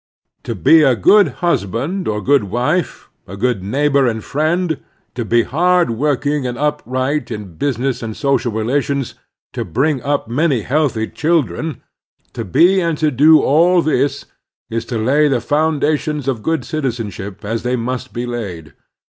To be a good husband or good wife, a good neighbor and friend, to be hard working and up right in business and social relations, to bring up many healthy children — ^to be and to do all this is to lay the fotmdations of good citizenship as they must be laid.